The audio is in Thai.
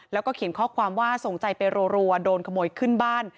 แล้วก็เขียนข้อความว่าส่งใจไปรัวโดนขโมยขึ้นบ้าน